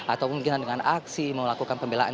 atau mungkin dengan aksi melakukan pembelaan